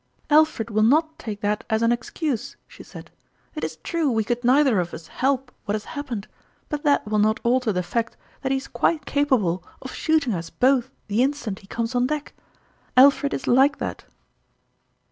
" Alfred will not take that as an excuse," she said. "It is true we could neither of us help what has happened, but that will not alter the fact that he is quite capable of shooting us both the instant he comes on deck. Alfred is like that